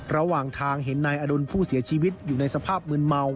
ระหว่างทางเห็นนายอดุลผู้เสียชีวิตอยู่ในสภาพมืนเมา